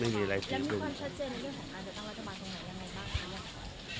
ยังมีความชัจเจนเรื่องของการจะต้องวัดตระบัดทางไหนยังไงบ้าง